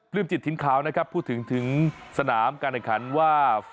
ืมจิตถิ่นขาวนะครับพูดถึงถึงสนามการแข่งขันว่า